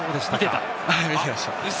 見ていました。